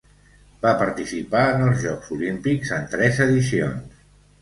Va participar en els Jocs Olímpics en tres edicions.